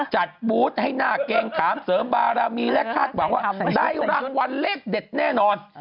จัดบูธให้หน้าเกงขามเสริมบารมีและคาดหวังว่าได้รางวัลเลขเด็ดแน่นอน